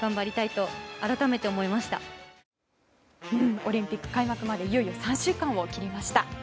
オリンピック開幕までいよいよ３週間を切りました。